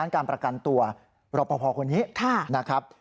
ครับ